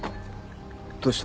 どうした？